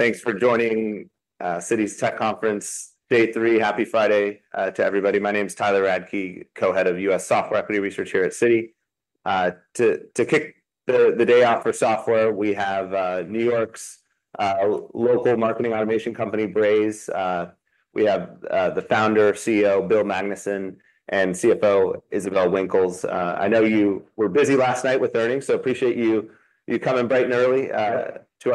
Thanks for joining Citi's Tech Conference, day three. Happy Friday to everybody. My name is Tyler Radke, co-head of U.S. Software Equity Research here at Citi. To kick the day off for software, we have New York's local marketing automation company, Braze. We have the Founder, CEO, Bill Magnuson, and CFO, Isabelle Winkles. I know you were busy last night with earnings, so appreciate you coming bright and early. Yep. to our conference. For sure. Yeah.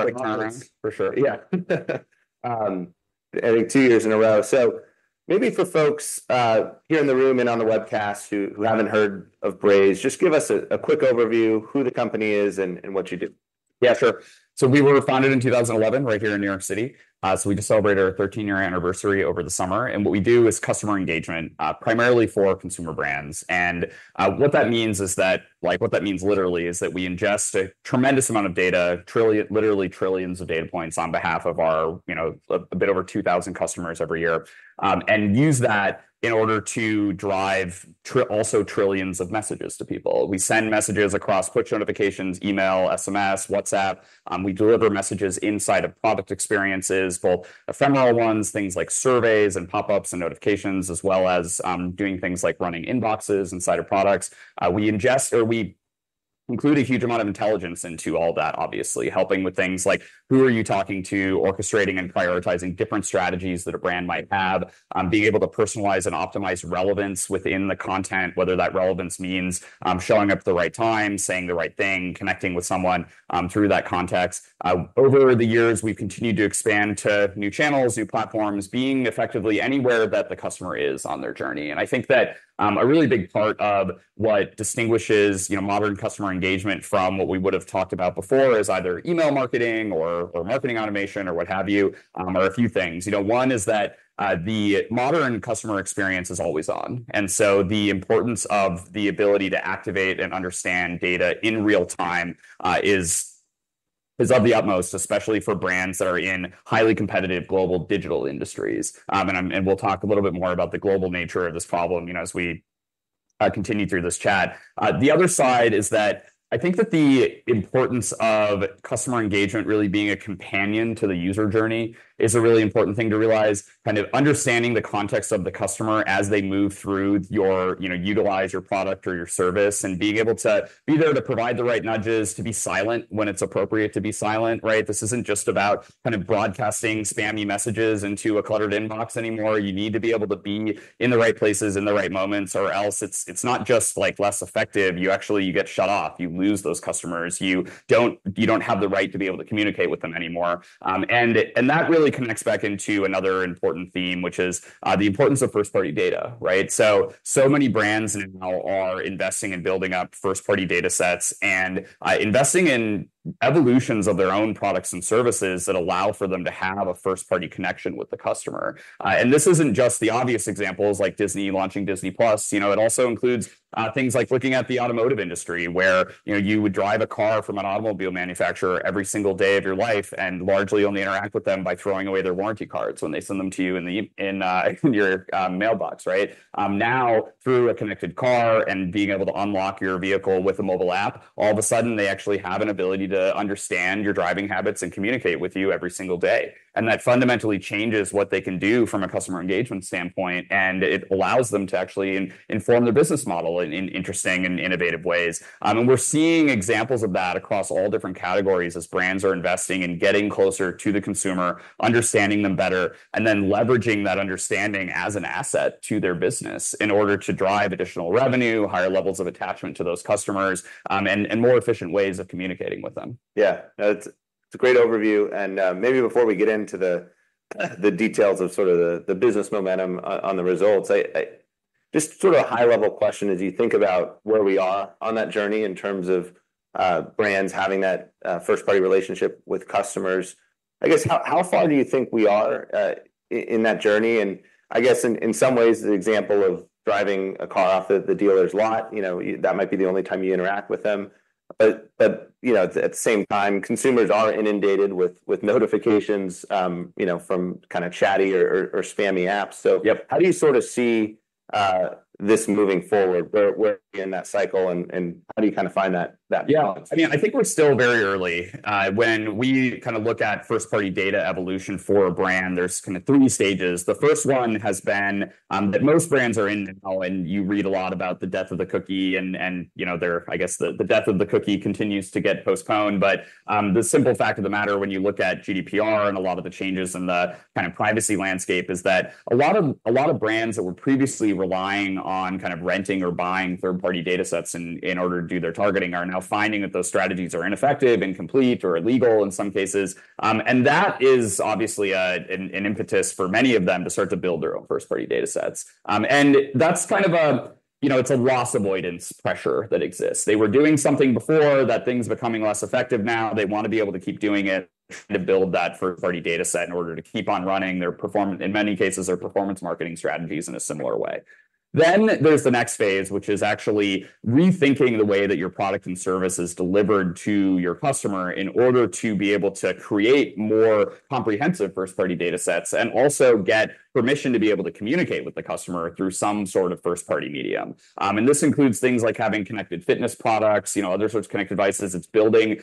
I think two years in a row. So maybe for folks here in the room and on the webcast who haven't heard of Braze, just give us a quick overview, who the company is and what you do. Yeah, sure. So we were founded in 2011, right here in New York City, so we just celebrated our 13-year anniversary over the summer, and what we do is customer engagement, primarily for consumer brands, and what that means is that, like, what that means literally is that we ingest a tremendous amount of data, literally trillions of data points on behalf of our, you know, a bit over 2,000 customers every year, and use that in order to drive also trillions of messages to people. We send messages across push notifications, email, SMS, WhatsApp. We deliver messages inside of product experiences, both ephemeral ones, things like surveys and pop-ups and notifications, as well as doing things like running inboxes inside of products. We ingest, or we include a huge amount of intelligence into all that, obviously, helping with things like who are you talking to, orchestrating and prioritizing different strategies that a brand might have, being able to personalize and optimize relevance within the content, whether that relevance means, showing up at the right time, saying the right thing, connecting with someone, through that context. Over the years, we've continued to expand to new channels, new platforms, being effectively anywhere that the customer is on their journey, and I think that, a really big part of what distinguishes, you know, modern customer engagement from what we would have talked about before is either email marketing or marketing automation or what have you, are a few things. You know, one is that the modern customer experience is always on, and so the importance of the ability to activate and understand data in real time is of the utmost, especially for brands that are in highly competitive global digital industries, and we'll talk a little bit more about the global nature of this problem, you know, as we continue through this chat. The other side is that I think that the importance of customer engagement really being a companion to the user journey is a really important thing to realize, kind of understanding the context of the customer as they move through your... you know, utilize your product or your service, and being able to be there to provide the right nudges, to be silent when it's appropriate to be silent, right? This isn't just about kind of broadcasting spammy messages into a cluttered inbox anymore, and that really connects back into another important theme, which is the importance of first-party data right, so so many brands now are investing in building up first-party data sets and investing in evolutions of their own products and services that allow for them to have a first-party connection with the customer, and this isn't just the obvious examples, like Disney launching Disney+. You know, it also includes things like looking at the automotive industry, where, you know, you would drive a car from an automobile manufacturer every single day of your life and largely only interact with them by throwing away their warranty cards when they send them to you in your mailbox, right? Now, through a connected car and being able to unlock your vehicle with a mobile app, all of a sudden, they actually have an ability to understand your driving habits and communicate with you every single day, and that fundamentally changes what they can do from a customer engagement standpoint, and it allows them to actually inform their business model in interesting and innovative ways. And we're seeing examples of that across all different categories as brands are investing in getting closer to the consumer, understanding them better, and then leveraging that understanding as an asset to their business in order to drive additional revenue, higher levels of attachment to those customers, and more efficient ways of communicating with them. Yeah. No, it's a great overview, and maybe before we get into the details of sort of the business momentum on the results, just sort of a high-level question, as you think about where we are on that journey in terms of brands having that first-party relationship with customers, I guess, how far do you think we are in that journey? And I guess in some ways, the example of driving a car off the dealer's lot, you know, you, that might be the only time you interact with them. But you know, at the same time, consumers are inundated with notifications, you know, from kind of chatty or spammy apps. So- Yep. How do you sort of see this moving forward? Where are we in that cycle, and how do you kind of find that balance? Yeah. I mean, I think we're still very early. When we kind of look at first-party data evolution for a brand, there's kind of three stages. The first one has been that most brands are in now, and you read a lot about the death of the cookie and, you know, the death of the cookie continues to get postponed. But, the simple fact of the matter when you look at GDPR and a lot of the changes in the kind of privacy landscape is that a lot of brands that were previously relying on kind of renting or buying third-party data sets in order to do their targeting are now finding that those strategies are ineffective, incomplete, or illegal in some cases. And that is obviously an impetus for many of them to start to build their own first-party data sets. And that's kind of a, you know, it's a loss avoidance pressure that exists. They were doing something before, that thing's becoming less effective now. They want to be able to keep doing it, to build that first-party data set in order to keep on running their perform- in many cases, their performance marketing strategies in a similar way. Then there's the next phase, which is actually rethinking the way that your product and service is delivered to your customer in order to be able to create more comprehensive first-party data sets, and also get permission to be able to communicate with the customer through some sort of first-party medium. And this includes things like having connected fitness products, you know, other sorts of connected devices. It's building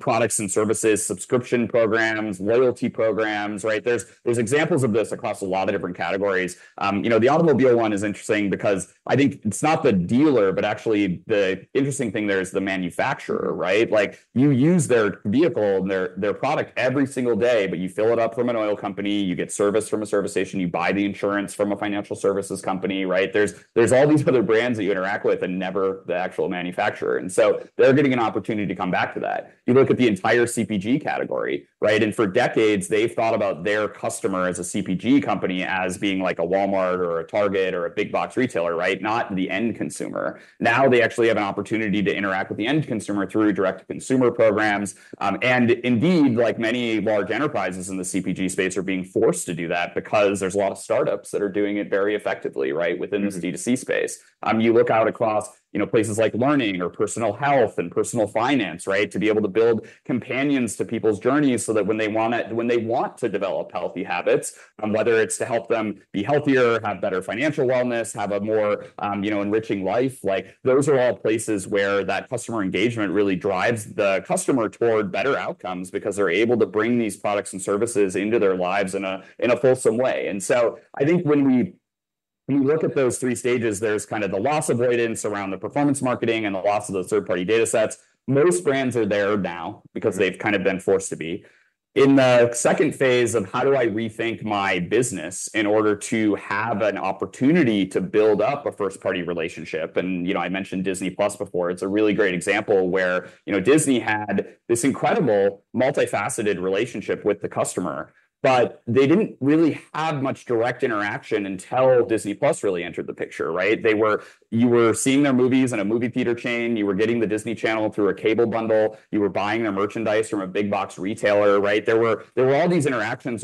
products and services, subscription programs, loyalty programs, right? There's examples of this across a lot of different categories. You know, the automobile one is interesting because I think it's not the dealer, but actually the interesting thing there is the manufacturer, right? Like, you use their vehicle, their product every single day, but you fill it up from an oil company, you get service from a service station, you buy the insurance from a financial services company, right? There's all these other brands that you interact with and never the actual manufacturer, and so they're getting an opportunity to come back to that. You look at the entire CPG category, right, and for decades, they've thought about their customer as a CPG company as being like a Walmart or a Target or a big box retailer, right? Not the end consumer. Now, they actually have an opportunity to interact with the end consumer through direct-to-consumer programs. And indeed, like many large enterprises in the CPG space, are being forced to do that because there's a lot of startups that are doing it very effectively, right, within the D2C space. You look out across, you know, places like learning or personal health and personal finance, right? To be able to build companions to people's journeys so that when they want to develop healthy habits, whether it's to help them be healthier, have better financial wellness, have a more, you know, enriching life, like, those are all places where that customer engagement really drives the customer toward better outcomes because they're able to bring these products and services into their lives in a fulsome way. And so I think when we look at those three stages, there's kind of the loss avoidance around the performance marketing and the loss of those third-party data sets. Most brands are there now because they've kind of been forced to be. In the second phase of how do I rethink my business in order to have an opportunity to build up a first-party relationship, and, you know, I mentioned Disney+ before. It's a really great example where, you know, Disney had this incredible, multifaceted relationship with the customer, but they didn't really have much direct interaction until Disney+ really entered the picture, right? They were... You were seeing their movies in a movie theater chain, you were getting the Disney Channel through a cable bundle, you were buying their merchandise from a big box retailer, right? There were all these interactions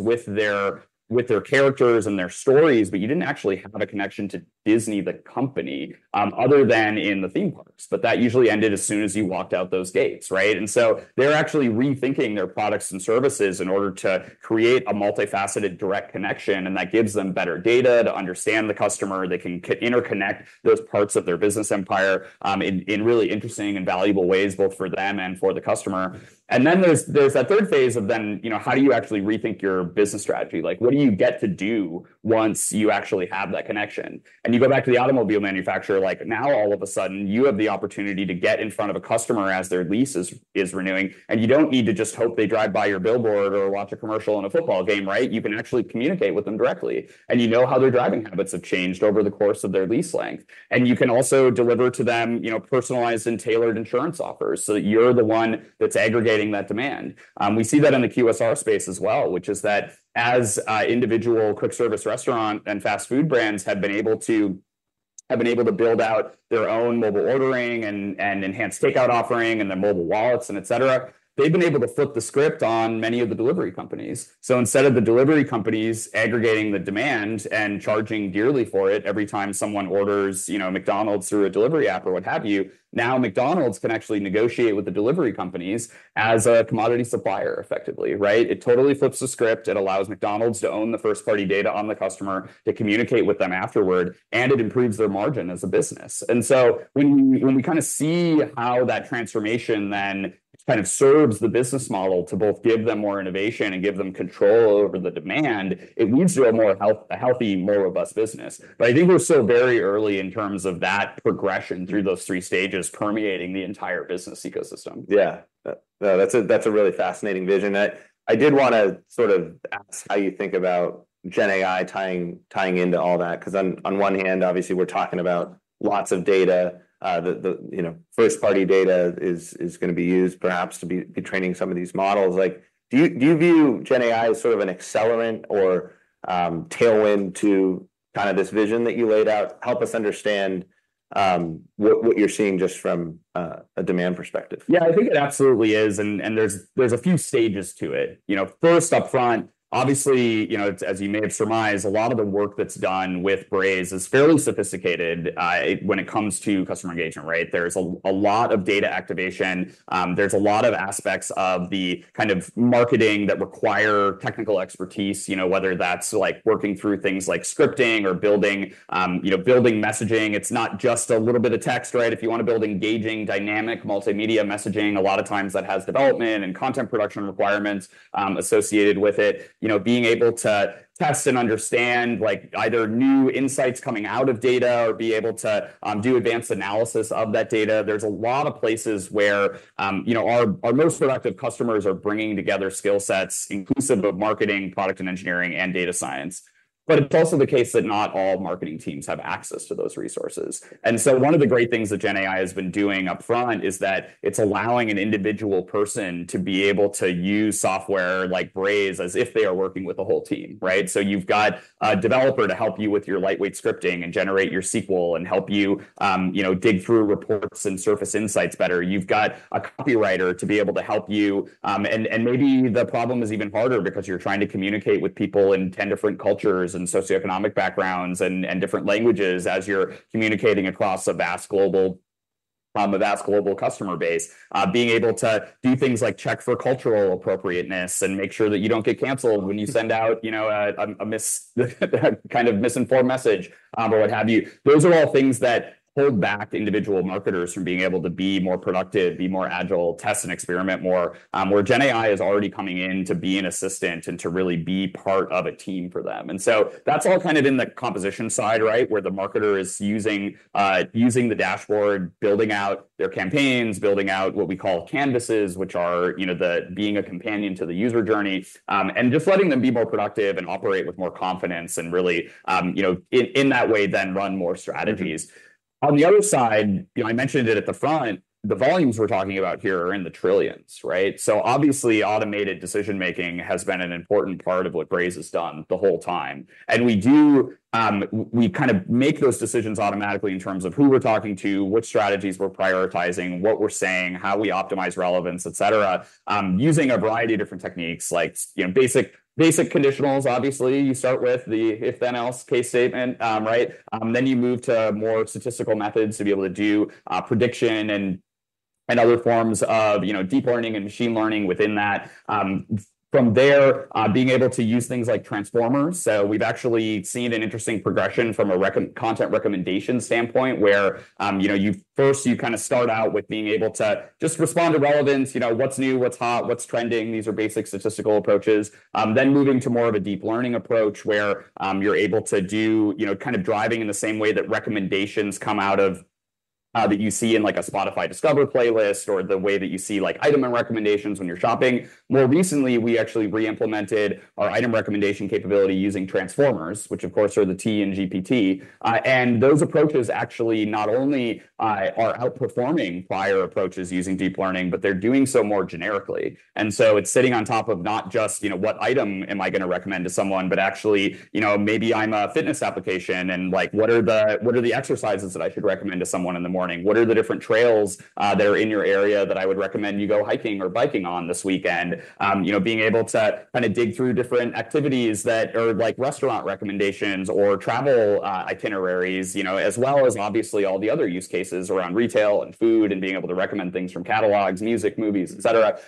with their characters and their stories, but you didn't actually have a connection to Disney, the company, other than in the theme parks, but that usually ended as soon as you walked out those gates, right? And so they're actually rethinking their products and services in order to create a multifaceted, direct connection, and that gives them better data to understand the customer. They can interconnect those parts of their business empire, in really interesting and valuable ways, both for them and for the customer, and then there's that third phase, then you know, how do you actually rethink your business strategy? Like, what do you get to do once you actually have that connection? And you go back to the automobile manufacturer, like, now all of a sudden, you have the opportunity to get in front of a customer as their lease is renewing, and you don't need to just hope they drive by your billboard or watch a commercial on a football game, right? You can actually communicate with them directly, and you know how their driving habits have changed over the course of their lease length. And you can also deliver to them, you know, personalized and tailored insurance offers so that you're the one that's aggregating that demand. We see that in the QSR space as well, which is that as individual quick service restaurant and fast food brands have been able to build out their own mobile ordering and enhanced takeout offering, and their mobile wallets, and et cetera, they've been able to flip the script on many of the delivery companies. So instead of the delivery companies aggregating the demand and charging dearly for it every time someone orders, you know, a McDonald's through a delivery app or what have you, now McDonald's can actually negotiate with the delivery companies as a commodity supplier effectively, right? It totally flips the script. It allows McDonald's to own the first-party data on the customer, to communicate with them afterward, and it improves their margin as a business. When we kinda see how that transformation then kind of serves the business model to both give them more innovation and give them control over the demand, it leads to a healthy, more robust business. I think we're still very early in terms of that progression through those three stages permeating the entire business ecosystem. Yeah. That's a really fascinating vision. I did wanna sort of ask how you think about GenAI tying into all that, 'cause on one hand, obviously, we're talking about lots of data. You know, first-party data is gonna be used perhaps to be training some of these models. Like, do you view GenAI as sort of an accelerant or tailwind to kinda this vision that you laid out? Help us understand what you're seeing just from a demand perspective. Yeah, I think it absolutely is, and there's a few stages to it. You know, first, upfront, obviously, you know, it's as you may have surmised, a lot of the work that's done with Braze is fairly sophisticated when it comes to customer engagement, right? There's a lot of data activation. There's a lot of aspects of the kind of marketing that require technical expertise, you know, whether that's like working through things like scripting or building, you know, building messaging. It's not just a little bit of text, right? If you wanna build engaging, dynamic, multimedia messaging, a lot of times that has development and content production requirements associated with it. You know, being able to test and understand, like, either new insights coming out of data or be able to do advanced analysis of that data. There's a lot of places where, you know, our most productive customers are bringing together skill sets inclusive of marketing, product and engineering, and data science. But it's also the case that not all marketing teams have access to those resources. And so one of the great things that GenAI has been doing upfront is that it's allowing an individual person to be able to use software like Braze as if they are working with a whole team, right? So you've got a developer to help you with your lightweight scripting and generate your SQL and help you, you know, dig through reports and surface insights better. You've got a copywriter to be able to help you, and maybe the problem is even harder because you're trying to communicate with people in ten different cultures and socioeconomic backgrounds and different languages as you're communicating across a vast global customer base, being able to do things like check for cultural appropriateness and make sure that you don't get canceled when you send out, you know, a kind of misinformed message, or what have you. Those are all things that hold back individual marketers from being able to be more productive, be more agile, test and experiment more, where GenAI is already coming in to be an assistant and to really be part of a team for them. And so that's all kind of in the composition side, right? Where the marketer is using the dashboard, building out their campaigns, building out what we call Canvases, which are, you know, they being a companion to the user journey and just letting them be more productive and operate with more confidence and really, you know, in that way, then run more strategies. On the other side, you know, I mentioned it at the front, the volumes we're talking about here are in the trillions, right, so obviously, automated decision-making has been an important part of what Braze has done the whole time and we kind of make those decisions automatically in terms of who we're talking to, what strategies we're prioritizing, what we're saying, how we optimize relevance, et cetera, using a variety of different techniques like, you know, basic conditionals. Obviously, you start with the if-then-else case statement, right? Then you move to more statistical methods to be able to do prediction and other forms of, you know, deep learning and machine learning within that. From there, being able to use things like transformers. So we've actually seen an interesting progression from a content recommendation standpoint, where, you know, you first, you kind of start out with being able to just respond to relevance. You know, what's new, what's hot, what's trending? These are basic statistical approaches. Then moving to more of a deep learning approach, where, you're able to do, you know, kind of driving in the same way that recommendations come out of that you see in like a Spotify Discover playlist, or the way that you see, like, item recommendations when you're shopping. More recently, we actually re-implemented our item recommendation capability using transformers, which of course are the T in GPT. And those approaches actually not only are outperforming prior approaches using deep learning, but they're doing so more generically. And so it's sitting on top of not just, you know, what item am I gonna recommend to someone, but actually, you know, maybe I'm a fitness application and like, what are the exercises that I should recommend to someone in the morning? What are the different trails that are in your area that I would recommend you go hiking or biking on this weekend? You know, being able to kind of dig through different activities that are like restaurant recommendations or travel itineraries, you know, as well as obviously all the other use cases around retail and food, and being able to recommend things from catalogs, music, movies, et cetera.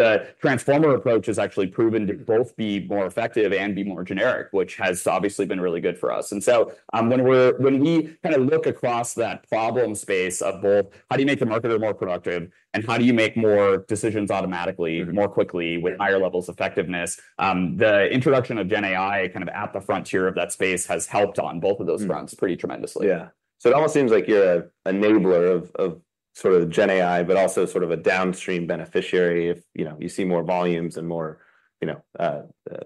The transformer approach has actually proven to both be more effective and be more generic, which has obviously been really good for us. And so, when we kind of look across that problem space of both: How do you make the marketer more productive? And how do you make more decisions automatically, more quickly, with higher levels of effectiveness? The introduction of GenAI, kind of at the frontier of that space, has helped on both of those fronts pretty tremendously. Yeah. So it almost seems like you're an enabler of sort of GenAI, but also sort of a downstream beneficiary if, you know, you see more volumes and more, you know.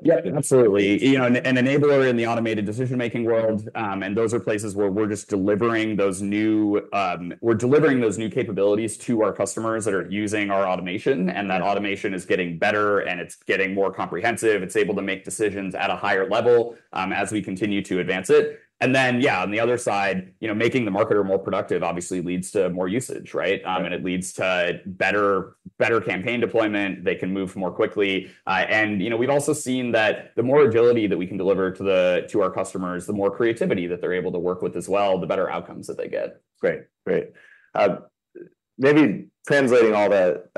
Yeah, absolutely. You know, an enabler in the automated decision-making world, and those are places where we're just delivering those new capabilities to our customers that are using our automation, and that automation is getting better, and it's getting more comprehensive. It's able to make decisions at a higher level, as we continue to advance it. And then, yeah, on the other side, you know, making the marketer more productive obviously leads to more usage, right? And it leads to better campaign deployment. They can move more quickly. And, you know, we've also seen that the more agility that we can deliver to our customers, the more creativity that they're able to work with as well, the better outcomes that they get. Great. Great. Maybe translating all the,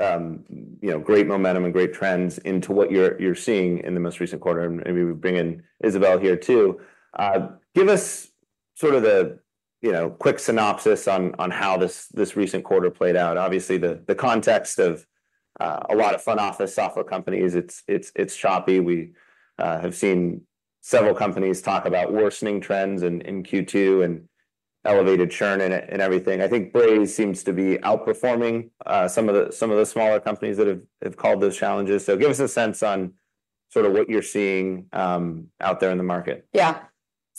you know, great momentum and great trends into what you're seeing in the most recent quarter, and maybe we bring in Isabelle here too. Give us sort of the, you know, quick synopsis on how this recent quarter played out. Obviously, the context of a lot of SaaS software companies, it's choppy. We have seen several companies talk about worsening trends in Q2 and elevated churn and everything. I think Braze seems to be outperforming some of the smaller companies that have called those challenges. So give us a sense on sort of what you're seeing out there in the market. Yeah.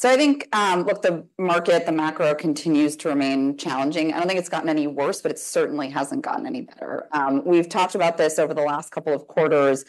So I think, look, the market, the macro continues to remain challenging. I don't think it's gotten any worse, but it certainly hasn't gotten any better. We've talked about this over the last couple of quarters.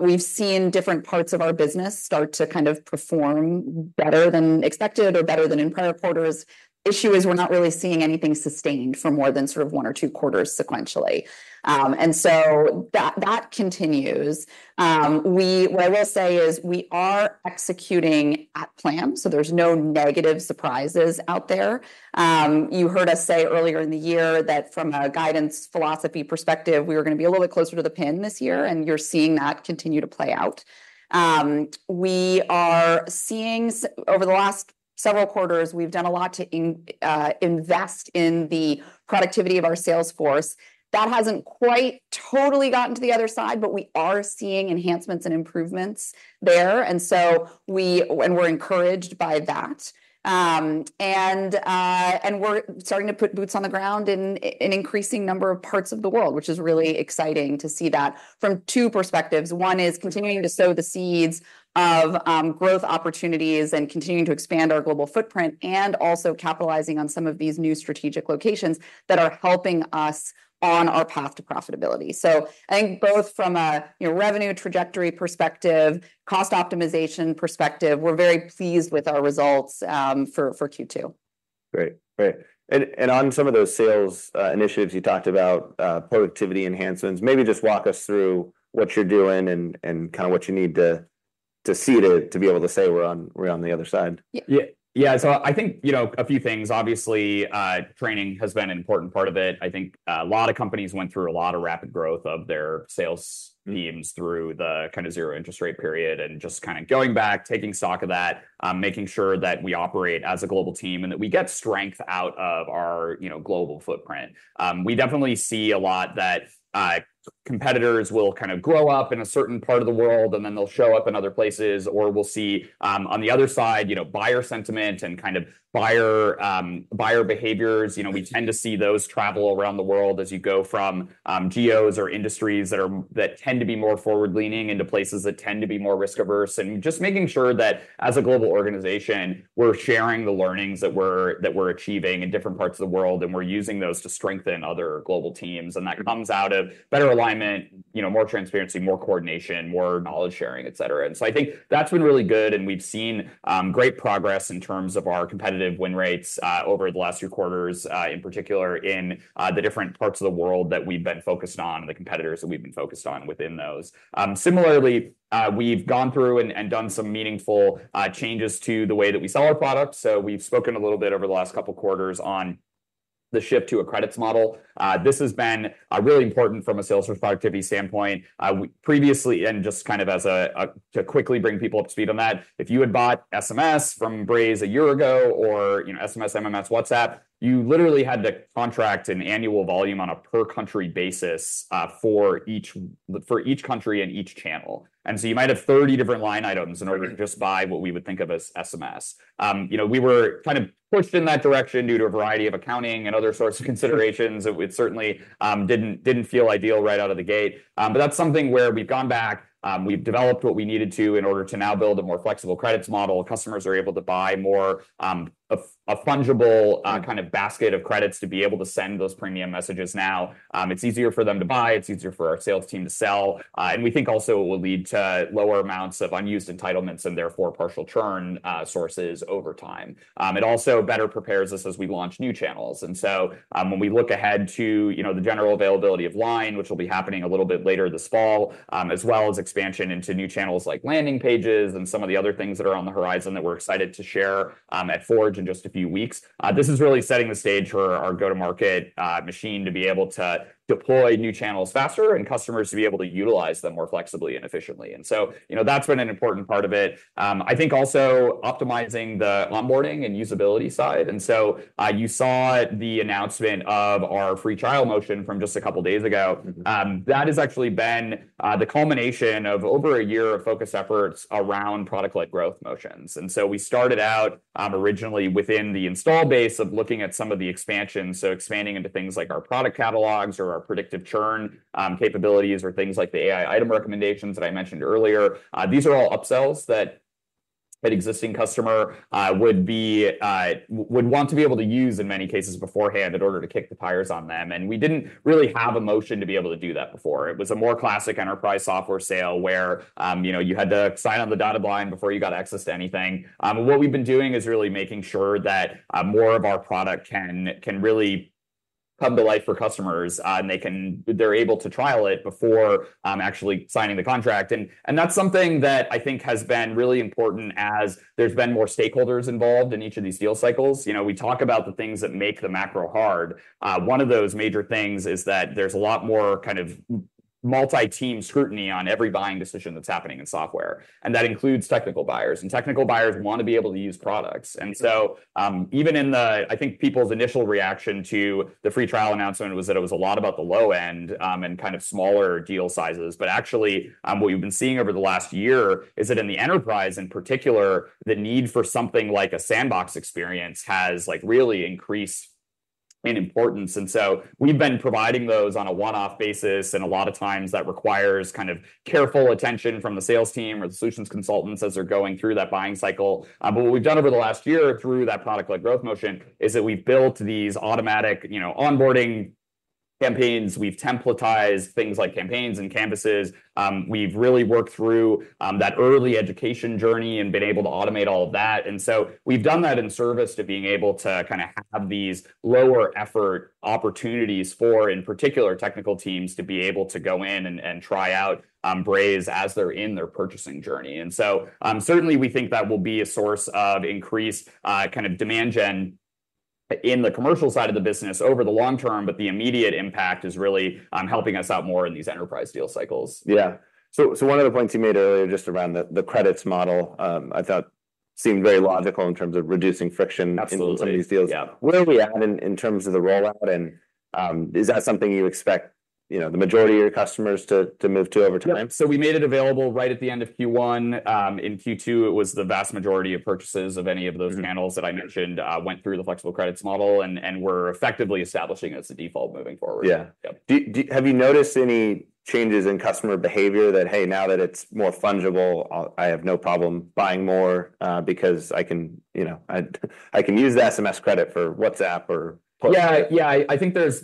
We've seen different parts of our business start to kind of perform better than expected or better than in prior quarters. Issue is, we're not really seeing anything sustained for more than sort of one or two quarters sequentially, and so that, that continues. What I will say is we are executing at plan, so there's no negative surprises out there. You heard us say earlier in the year that from a guidance philosophy perspective, we were gonna be a little bit closer to the pin this year, and you're seeing that continue to play out. We are seeing over the last several quarters, we've done a lot to invest in the productivity of our sales force. That hasn't quite totally gotten to the other side, but we are seeing enhancements and improvements there, and so we're encouraged by that. And we're starting to put boots on the ground in an increasing number of parts of the world, which is really exciting to see that from two perspectives. One is continuing to sow the seeds of growth opportunities and continuing to expand our global footprint, and also capitalizing on some of these new strategic locations that are helping us on our path to profitability. So I think both from a, you know, revenue trajectory perspective, cost optimization perspective, we're very pleased with our results for Q2. Great. Great. And on some of those sales initiatives, you talked about productivity enhancements. Maybe just walk us through what you're doing and kind of what you need to see to be able to say we're on the other side? Yeah, yeah. So I think, you know, a few things. Obviously, training has been an important part of it. I think a lot of companies went through a lot of rapid growth of their sales teams through the kind of zero interest rate period, and just kind of going back, taking stock of that, making sure that we operate as a global team, and that we get strength out of our, you know, global footprint. We definitely see a lot that, competitors will kind of grow up in a certain part of the world, and then they'll show up in other places, or we'll see, on the other side, you know, buyer sentiment and kind of buyer behaviors. You know, we tend to see those travel around the world as you go from geos or industries that tend to be more forward leaning into places that tend to be more risk-averse. And just making sure that as a global organization, we're sharing the learnings that we're achieving in different parts of the world, and we're using those to strengthen other global teams. And that comes out of better alignment, you know, more transparency, more coordination, more knowledge sharing, et cetera. And so I think that's been really good, and we've seen great progress in terms of our competitive win rates over the last few quarters, in particular in the different parts of the world that we've been focused on and the competitors that we've been focused on within those. Similarly, we've gone through and done some meaningful changes to the way that we sell our product, so we've spoken a little bit over the last couple quarters on the shift to a credits model. This has been really important from a sales productivity standpoint. We previously, and just kind of to quickly bring people up to speed on that, if you had bought SMS from Braze a year ago, or, you know, SMS, MMS, WhatsApp, you literally had to contract an annual volume on a per country basis, for each country and each channel, and so you might have 30 different line items in order to just buy what we would think of as SMS. You know, we were kind of pushed in that direction due to a variety of accounting and other sorts of considerations that it certainly didn't feel ideal right out of the gate, but that's something where we've gone back. We've developed what we needed to in order to now build a more flexible credits model. Customers are able to buy more, a fungible kind of basket of credits to be able to send those premium messages now. It's easier for them to buy, it's easier for our sales team to sell, and we think also it will lead to lower amounts of unused entitlements and therefore partial churn sources over time. It also better prepares us as we launch new channels. And so, when we look ahead to, you know, the general availability of LINE, which will be happening a little bit later this fall, as well as expansion into new channels like landing pages and some of the other things that are on the horizon that we're excited to share, at Forge in just a few weeks, this is really setting the stage for our go-to-market, machine to be able to deploy new channels faster, and customers to be able to utilize them more flexibly and efficiently. And so, you know, that's been an important part of it. I think also optimizing the onboarding and usability side. And so, you saw the announcement of our free trial motion from just a couple days ago. Mm-hmm. That has actually been the culmination of over a year of focused efforts around product-led growth motions, and so we started out, originally within the install base of looking at some of the expansion, so expanding into things like our product catalogs or our predictive churn capabilities, or things like the AI item recommendations that I mentioned earlier. These are all upsells that an existing customer would want to be able to use, in many cases, beforehand in order to kick the tires on them, and we didn't really have a motion to be able to do that before. It was a more classic enterprise software sale where you know you had to sign on the dotted line before you got access to anything. What we've been doing is really making sure that more of our product can really come to life for customers, and they're able to trial it before actually signing the contract. That's something that I think has been really important as there's been more stakeholders involved in each of these deal cycles. You know, we talk about the things that make the macro hard. One of those major things is that there's a lot more kind of multi-team scrutiny on every buying decision that's happening in software, and that includes technical buyers, and technical buyers want to be able to use products, and so I think people's initial reaction to the free trial announcement was that it was a lot about the low end, and kind of smaller deal sizes. But actually, what we've been seeing over the last year is that in the enterprise in particular, the need for something like a sandbox experience has, like, really increased in importance. And so we've been providing those on a one-off basis, and a lot of times that requires kind of careful attention from the sales team or the solutions consultants as they're going through that buying cycle. But what we've done over the last year through that product-led growth motion is that we've built these automatic, you know, onboarding campaigns. We've templatized things like campaigns and canvases. We've really worked through that early education journey and been able to automate all of that. And so we've done that in service to being able to kind of have these lower effort opportunities for, in particular, technical teams to be able to go in and try out Braze as they're in their purchasing journey. And so certainly we think that will be a source of increased kind of demand gen in the commercial side of the business over the long-term, but the immediate impact is really helping us out more in these enterprise deal cycles. Yeah. So one of the points you made earlier just around the credits model, I thought seemed very logical in terms of reducing friction. Absolutely. In some of these deals. Yeah. Where are we at in terms of the rollout, and is that something you expect, you know, the majority of your customers to move to over time? Yep. So we made it available right at the end of Q1. In Q2, it was the vast majority of purchases of any of those channels that I mentioned, went through the flexible credits model, and we're effectively establishing it as the default moving forward. Yeah. Yep. Have you noticed any changes in customer behavior that, "Hey, now that it's more fungible, I have no problem buying more, because I can, you know, I can use the SMS credit for WhatsApp or- Yeah. Yeah, I think there's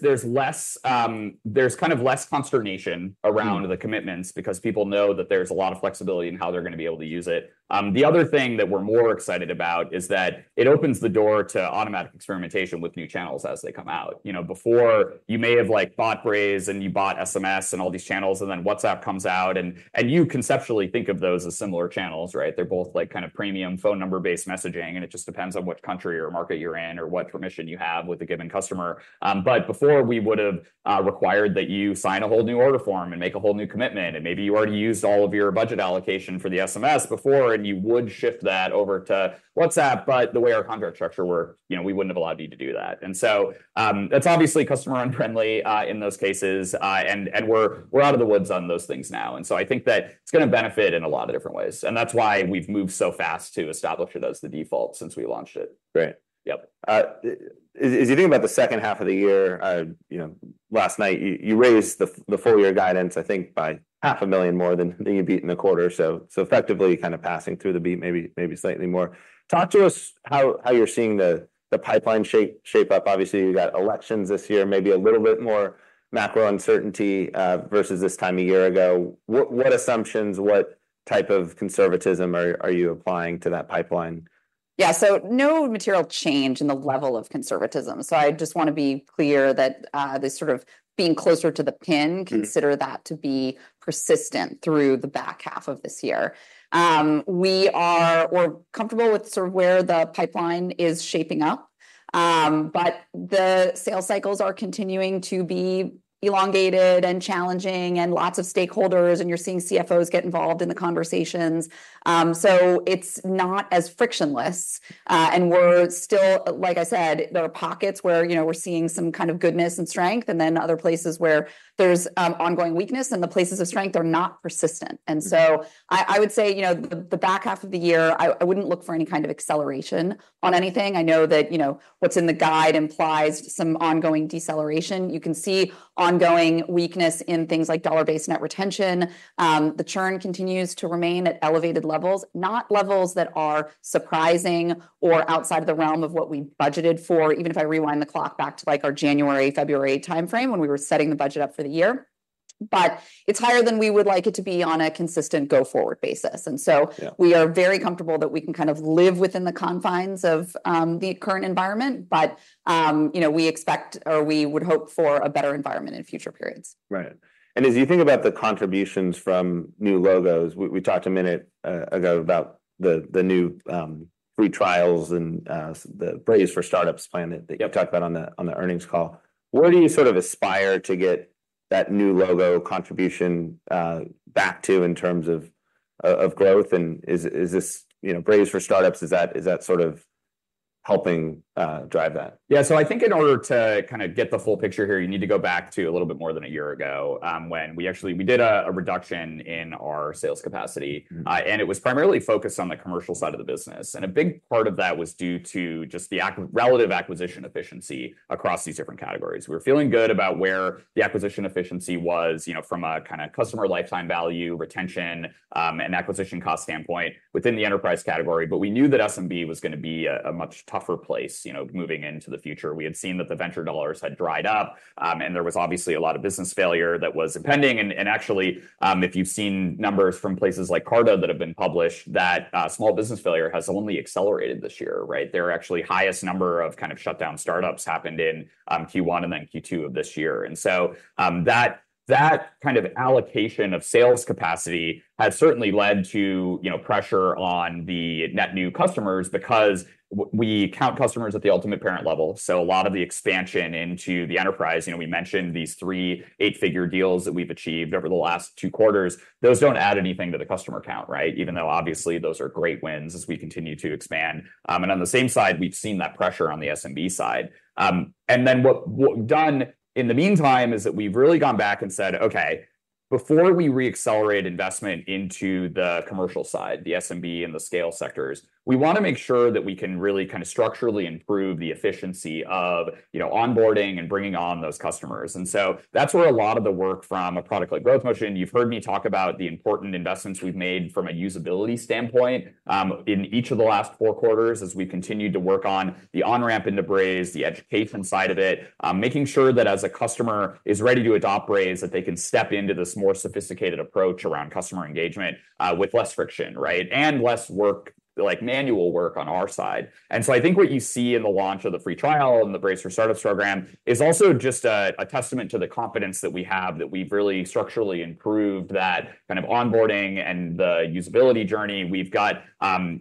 kind of less consternation around- Mm The commitments because people know that there's a lot of flexibility in how they're gonna be able to use it. The other thing that we're more excited about is that it opens the door to automatic experimentation with new channels as they come out. You know, before, you may have, like, bought Braze, and you bought SMS, and all these channels, and then WhatsApp comes out, and you conceptually think of those as similar channels, right? They're both like kind of premium phone number-based messaging, and it just depends on which country or market you're in, or what permission you have with a given customer. But before we would've required that you sign a whole new order form and make a whole new commitment, and maybe you already used all of your budget allocation for the SMS before, and you would shift that over to WhatsApp. But the way our contract structure worked, you know, we wouldn't have allowed you to do that. And so that's obviously customer unfriendly in those cases, and we're out of the woods on those things now. And so I think that it's gonna benefit in a lot of different ways, and that's why we've moved so fast to establish those as the default since we launched it. Great. Yep. As you think about the second half of the year, you know, last night, you raised the full-year guidance, I think, by $500,000 more than you beat in the quarter. So effectively, kind of passing through the beat, maybe slightly more. Talk to us how you're seeing the pipeline shape up. Obviously, you've got elections this year, maybe a little bit more macro uncertainty versus this time a year ago. What assumptions, what type of conservatism are you applying to that pipeline? Yeah, so no material change in the level of conservatism. So I just wanna be clear that this sort of being closer to the pin- Mm-hmm Consider that to be persistent through the back half of this year. We're comfortable with sort of where the pipeline is shaping up, but the sales cycles are continuing to be elongated and challenging, and lots of stakeholders, and you're seeing CFOs get involved in the conversations, so it's not as frictionless, and we're still, like I said, there are pockets where, you know, we're seeing some kind of goodness and strength, and then other places where there's ongoing weakness, and the places of strength are not persistent. Mm. And so I would say, you know, the back half of the year, I wouldn't look for any kind of acceleration on anything. I know that, you know, what's in the guide implies some ongoing deceleration. You can see ongoing weakness in things like dollar-based net retention. The churn continues to remain at elevated levels, not levels that are surprising or outside of the realm of what we budgeted for, even if I rewind the clock back to, like, our January, February timeframe when we were setting the budget up for the year. But it's higher than we would like it to be on a consistent go-forward basis. And so- Yeah We are very comfortable that we can kind of live within the confines of the current environment. But, you know, we expect, or we would hope for a better environment in future periods. Right. And as you think about the contributions from new logos, we talked a minute ago about the new free trials and the Braze for Startups plan that- Yep You talked about on the earnings call. Where do you sort of aspire to get that new logo contribution back to in terms of growth? And is this, you know, Braze for Startups, is that sort of helping drive that? Yeah. So I think in order to kinda get the full picture here, you need to go back to a little bit more than a year ago, when we actually did a reduction in our sales capacity. Mm-hmm. And it was primarily focused on the commercial side of the business, and a big part of that was due to just the actual relative acquisition efficiency across these different categories. We were feeling good about where the acquisition efficiency was, you know, from a kinda customer lifetime value, retention, and acquisition cost standpoint within the enterprise category. But we knew that SMB was gonna be a much tougher place, you know, moving into the future. We had seen that the venture dollars had dried up, and there was obviously a lot of business failure that was impending. And actually, if you've seen numbers from places like Carta that have been published, that small business failure has only accelerated this year, right? There are actually highest number of kind of shut down startups happened in Q1 and then Q2 of this year. And so, that kind of allocation of sales capacity has certainly led to, you know, pressure on the net new customers because we count customers at the ultimate parent level. So a lot of the expansion into the enterprise, you know, we mentioned these three eight-figure deals that we've achieved over the last two quarters. Those don't add anything to the customer count, right? Even though obviously, those are great wins as we continue to expand, and on the same side, we've seen that pressure on the SMB side. And then what we've done in the meantime is that we've really gone back and said, "Okay, before we re-accelerate investment into the commercial side, the SMB and the scale sectors, we wanna make sure that we can really kind of structurally improve the efficiency of, you know, onboarding and bringing on those customers." And so that's where a lot of the work from a product-led growth motion. You've heard me talk about the important investments we've made from a usability standpoint in each of the last four quarters as we continued to work on the on-ramp into Braze, the education side of it. Making sure that as a customer is ready to adopt Braze, that they can step into this more sophisticated approach around customer engagement with less friction, right, and less work, like manual work on our side. And so I think what you see in the launch of the free trial and the Braze for Startups program is also just a testament to the confidence that we have, that we've really structurally improved that kind of onboarding and the usability journey. We've got,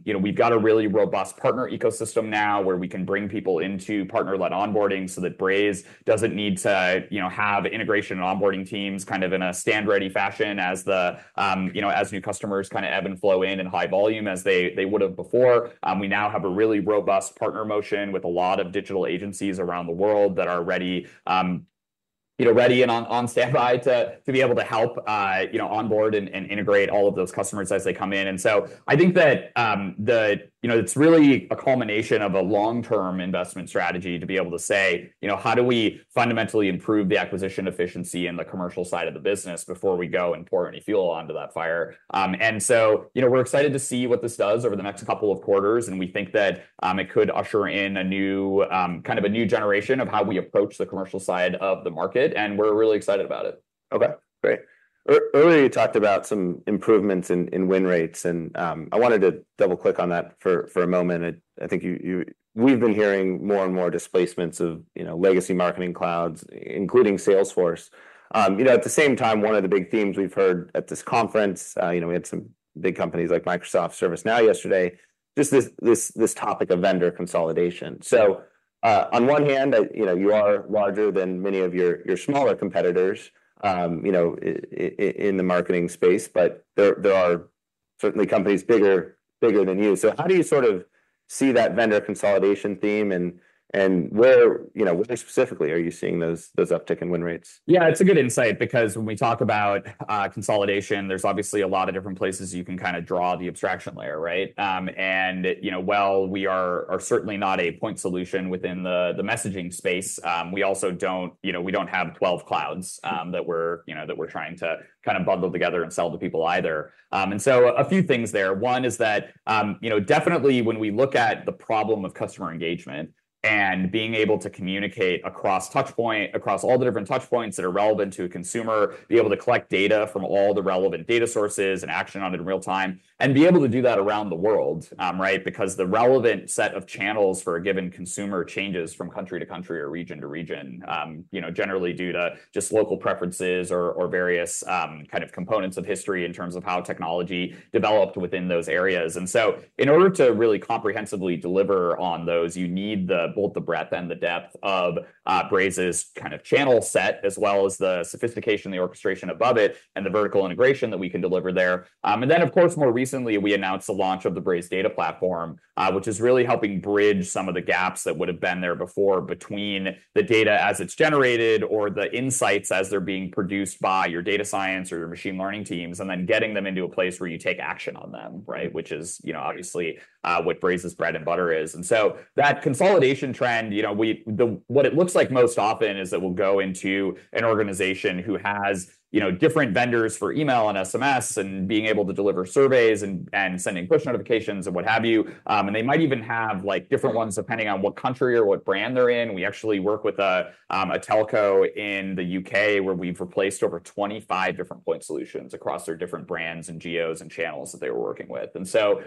you know, we've got a really robust partner ecosystem now, where we can bring people into partner-led onboarding so that Braze doesn't need to, you know, have integration and onboarding teams kind of in a stand-ready fashion as the, you know, as new customers kind of ebb and flow in high volume as they would have before. We now have a really robust partner motion with a lot of digital agencies around the world that are ready to. You know, ready and on standby to be able to help, you know, onboard and integrate all of those customers as they come in. And so I think that the, you know, it's really a culmination of a long-term investment strategy to be able to say, you know, "How do we fundamentally improve the acquisition efficiency and the commercial side of the business before we go and pour any fuel onto that fire?" And so, you know, we're excited to see what this does over the next couple of quarters, and we think that it could usher in a new kind of a new generation of how we approach the commercial side of the market, and we're really excited about it. Okay, great. Earlier, you talked about some improvements in win rates, and I wanted to double-click on that for a moment. I think you... We've been hearing more and more displacements of, you know, legacy marketing clouds, including Salesforce. You know, at the same time, one of the big themes we've heard at this conference, you know, we had some big companies like Microsoft, ServiceNow yesterday, just this topic of vendor consolidation. So, on one hand, you know, you are larger than many of your smaller competitors, you know, in the marketing space, but there are certainly companies bigger than you. So how do you sort of see that vendor consolidation theme, and where, you know, where specifically are you seeing those uptick in win rates? Yeah, it's a good insight because when we talk about consolidation, there's obviously a lot of different places you can kind of draw the abstraction layer, right? And, you know, while we are certainly not a point solution within the messaging space, we also don't, you know, we don't have twelve clouds that we're, you know, that we're trying to kind of bundle together and sell to people either. And so a few things there. One is that, you know, definitely when we look at the problem of customer engagement and being able to communicate across all the different touch points that are relevant to a consumer, be able to collect data from all the relevant data sources and action on it in real time, and be able to do that around the world, right? Because the relevant set of channels for a given consumer changes from country to country or region to region, you know, generally due to just local preferences or various, kind of components of history in terms of how technology developed within those areas. And so in order to really comprehensively deliver on those, you need both the breadth and the depth of Braze's kind of channel set, as well as the sophistication, the orchestration above it, and the vertical integration that we can deliver there. And then, of course, more recently, we announced the launch of the Braze Data Platform, which is really helping bridge some of the gaps that would have been there before between the data as it's generated or the insights as they're being produced by your data science or your machine learning teams, and then getting them into a place where you take action on them, right? Which is, you know, obviously, what Braze's bread and butter is. And so that consolidation trend, you know, what it looks like most often is that we'll go into an organization who has, you know, different vendors for email and SMS, and being able to deliver surveys, and sending push notifications and what have you. And they might even have, like, different ones depending on what country or what brand they're in. We actually work with a telco in the U.K., where we've replaced over 25 different point solutions across their different brands and geos and channels that they were working with. And so,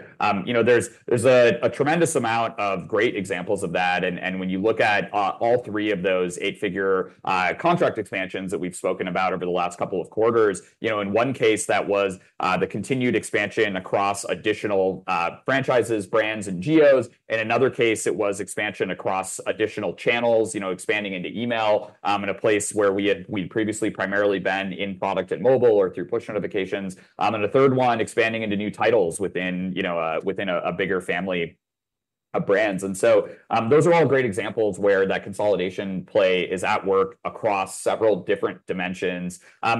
you know, there's a tremendous amount of great examples of that, and when you look at all three of those eight-figure contract expansions that we've spoken about over the last couple of quarters, you know, in one case, that was the continued expansion across additional franchises, brands, and geos. In another case, it was expansion across additional channels, you know, expanding into email in a place where we'd previously primarily been in product and mobile or through push notifications. And the third one, expanding into new titles within you know within a bigger family of brands. And so, those are all great examples where that consolidation play is at work across several different dimensions.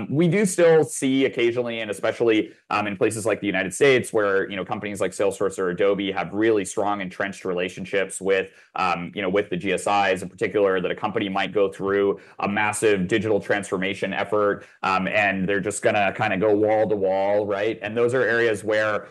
We do still see occasionally, and especially, in places like the United States, where, you know, companies like Salesforce or Adobe have really strong, entrenched relationships with, you know, with the GSIs in particular, that a company might go through a massive digital transformation effort. And they're just gonna kind of go wall to wall, right? And those are areas where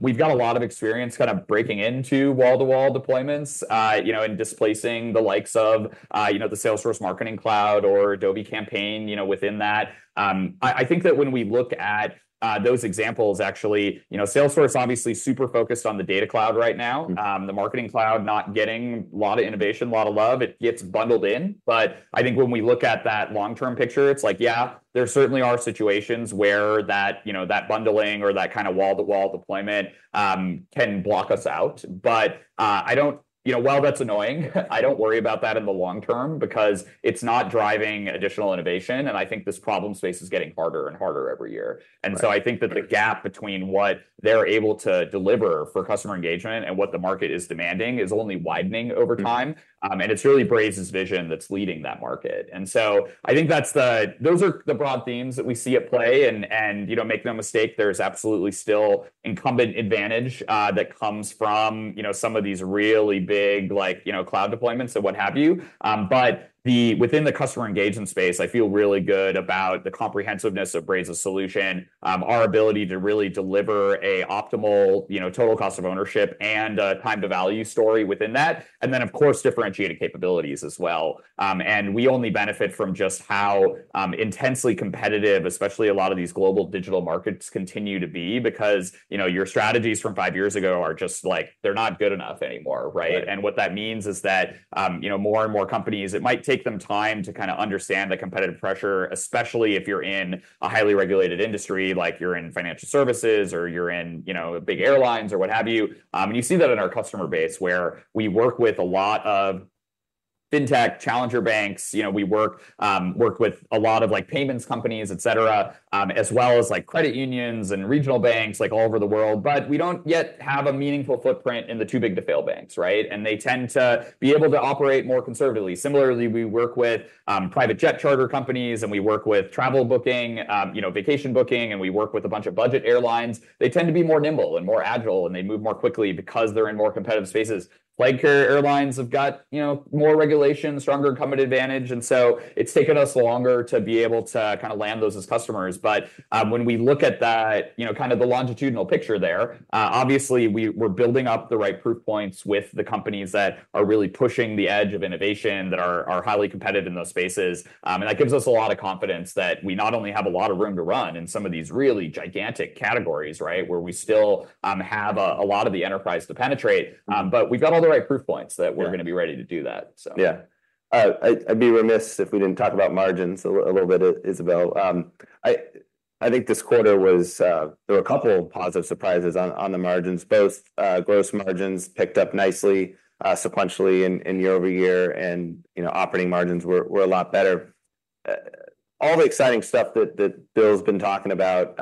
we've got a lot of experience kind of breaking into wall-to-wall deployments, you know, and displacing the likes of, you know, the Salesforce Marketing Cloud or Adobe Campaign, you know, within that. I think that when we look at those examples, actually, you know, Salesforce, obviously super focused on the Data Cloud right now. The Marketing Cloud, not getting a lot of innovation, a lot of love. It gets bundled in, but I think when we look at that long-term picture, it's like, yeah, there certainly are situations where that, you know, that bundling or that kind of wall-to-wall deployment, can block us out. But, I don't. You know, while that's annoying, I don't worry about that in the long-term because it's not driving additional innovation, and I think this problem space is getting harder and harder every year. Right. I think that the gap between what they're able to deliver for customer engagement and what the market is demanding is only widening over time. Mm-hmm. And it's really Braze's vision that's leading that market. And so I think that's those are the broad themes that we see at play, and, you know, make no mistake, there's absolutely still incumbent advantage that comes from, you know, some of these really big, like, you know, cloud deployments and what have you. But within the customer engagement space, I feel really good about the comprehensiveness of Braze's solution, our ability to really deliver a optimal, you know, total cost of ownership and a time-to-value story within that, and then, of course, differentiating capabilities as well. And we only benefit from just how intensely competitive, especially a lot of these global digital markets continue to be, because, you know, your strategies from five years ago are just, like, they're not good enough anymore, right? Right. And what that means is that, you know, more and more companies, it might take them time to kind of understand the competitive pressure, especially if you're in a highly regulated industry, like you're in financial services, or you're in, you know, big airlines or what have you. You see that in our customer base, where we work with a lot of fintech, challenger banks, you know, we worked with a lot of, like, payments companies, et cetera, as well as, like, credit unions and regional banks, like, all over the world. But we don't yet have a meaningful footprint in the too-big-to-fail banks, right? And they tend to be able to operate more conservatively. Similarly, we work with private jet charter companies, and we work with travel booking, you know, vacation booking, and we work with a bunch of budget airlines. They tend to be more nimble and more agile, and they move more quickly because they're in more competitive spaces. Flag carrier airlines have got, you know, more regulation, stronger incumbent advantage, and so it's taken us longer to be able to kinda land those as customers but when we look at that, you know, kind of the longitudinal picture there, obviously, we're building up the right proof points with the companies that are really pushing the edge of innovation, that are highly competitive in those spaces and that gives us a lot of confidence that we not only have a lot of room to run in some of these really gigantic categories, right? Where we still have a lot of the enterprise to penetrate, but we've got all the right proof points that we're- Yeah Gonna be ready to do that, so. Yeah. I'd be remiss if we didn't talk about margins a little bit, Isabelle. I think this quarter was... There were a couple of positive surprises on the margins. Both gross margins picked up nicely sequentially and year-over-year, and you know, operating margins were a lot better. All the exciting stuff that Bill's been talking about,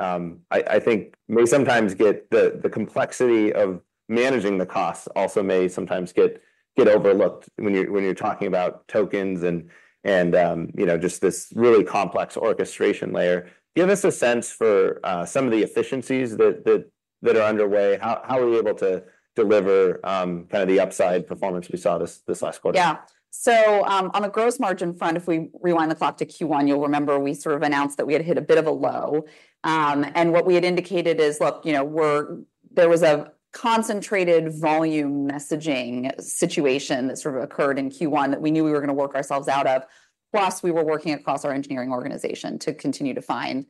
I think we sometimes get the complexity of managing the costs also may sometimes get overlooked when you're talking about tokens and you know, just this really complex orchestration layer. Give us a sense for some of the efficiencies that are underway. How are we able to deliver kind of the upside performance we saw this last quarter? Yeah. So, on the gross margin front, if we rewind the clock to Q1, you'll remember we sort of announced that we had hit a bit of a low. And what we had indicated is, look, you know, there was a concentrated volume messaging situation that sort of occurred in Q1 that we knew we were going to work ourselves out of. Plus, we were working across our engineering organization to continue to find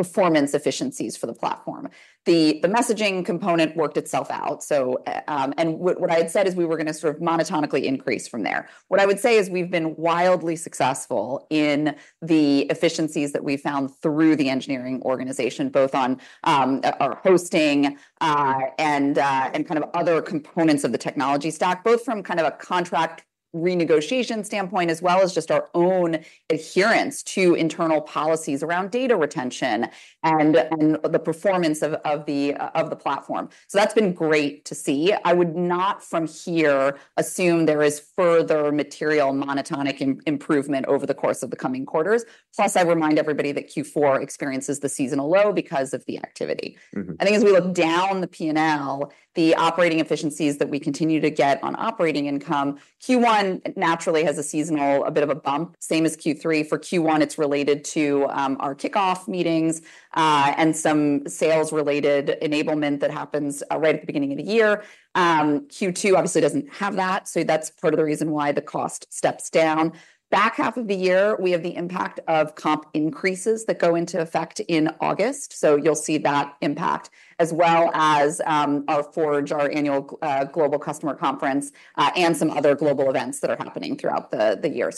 performance efficiencies for the platform. The messaging component worked itself out. And what I had said is we were going to sort of monotonically increase from there. What I would say is we've been wildly successful in the efficiencies that we found through the engineering organization, both on our hosting and kind of other components of the technology stack, both from kind of a contract renegotiation standpoint, as well as just our own adherence to internal policies around data retention and the performance of the platform. So that's been great to see. I would not, from here, assume there is further material monotonic improvement over the course of the coming quarters. Plus, I remind everybody that Q4 experiences the seasonal low because of the activity. Mm-hmm. I think as we look down the P&L, the operating efficiencies that we continue to get on operating income. Q1 naturally has a seasonal, a bit of a bump, same as Q3. For Q1, it's related to our kickoff meetings and some sales-related enablement that happens right at the beginning of the year. Q2 obviously doesn't have that, so that's part of the reason why the cost steps down. Back half of the year, we have the impact of comp increases that go into effect in August, so you'll see that impact, as well as our Forge, our annual global customer conference, and some other global events that are happening throughout the year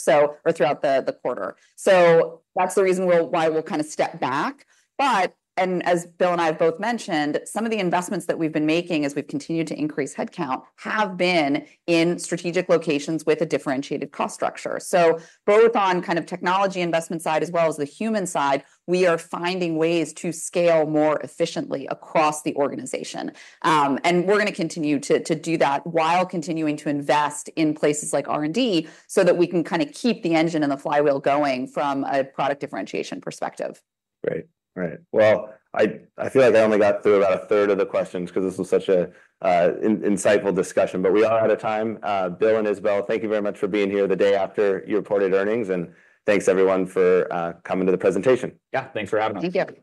or throughout the quarter. So that's the reason why we'll kind of step back. But, and as Bill and I have both mentioned, some of the investments that we've been making as we've continued to increase headcount have been in strategic locations with a differentiated cost structure. So both on kind of technology investment side as well as the human side, we are finding ways to scale more efficiently across the organization. And we're going to continue to do that while continuing to invest in places like R&D, so that we can kind of keep the engine and the flywheel going from a product differentiation perspective. Great. Great. Well, I feel like I only got through about a third of the questions 'cause this was such an insightful discussion. But we are out of time. Bill and Isabelle, thank you very much for being here the day after you reported earnings, and thanks, everyone, for coming to the presentation. Yeah, thanks for having us. Thank you.